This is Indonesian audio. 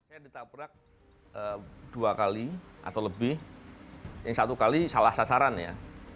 saya ditabrak dua kali atau lebih yang satu kali salah sasaran ya